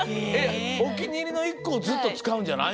おきにいりの１こをずっとつかうんじゃないの？